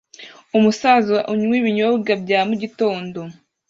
Umusaza unywa ibinyobwa bya mugitondo